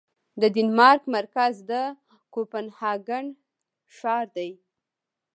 د ډنمارک مرکز د کوپنهاګن ښار دی